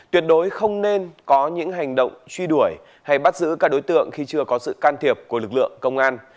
tuyệt đối không nên có những hành động truy đuổi hay bắt giữ các đối tượng khi chưa có sự can thiệp của lực lượng công an